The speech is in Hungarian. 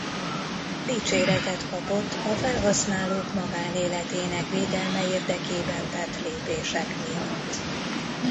Dicséretet kapott a felhasználók magánéletének védelme érdekében tett lépések miatt.